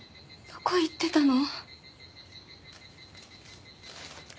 どこ行ってたの？